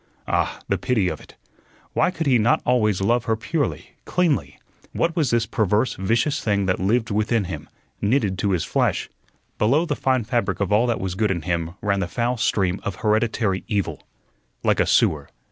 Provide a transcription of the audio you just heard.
Ah, the pity of it! Why could he not always love her purely, cleanly? What was this perverse, vicious thing that lived within him, knitted to his flesh? Below the fine fabric of all that was good in him ran the foul stream of hereditary evil, like a sewer.